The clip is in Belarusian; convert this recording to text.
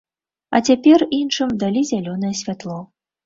А цяпер іншым далі зялёнае святло.